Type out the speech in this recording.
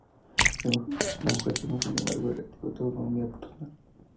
La mujer tiene sin embargo relativa autonomía personal.